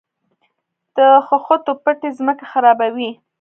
د خښتو بټۍ ځمکه خرابوي؟